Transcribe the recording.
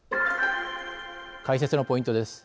解説のポイントです。